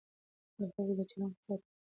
د خلکو د چلند قضاوت مه کوه.